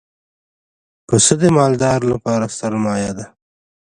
پسه د مالدار لپاره سرمایه ده.